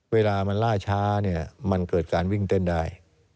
เวลามันล่าช้าเนี่ยมันเกิดการวิ่งเต้นได้